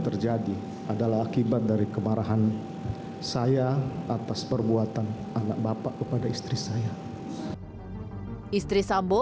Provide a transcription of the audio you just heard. terjadi adalah akibat dari kemarahan saya atas perbuatan anak bapak kepada istri saya istri sambo